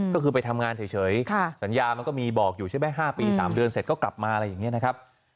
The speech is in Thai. ก็คือไปทำงานเฉยสัญญามันก็มีบอกอยู่ใช่ไหม๕ปี๓เดือนเสร็จก็กลับมาอะไรอย่างนี้นะครับ